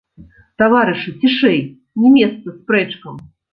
Таварышы, цішэй, не месца спрэчкам!